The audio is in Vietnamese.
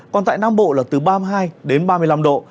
còn tại nam bộ là từ ba mươi hai đến ba mươi năm độ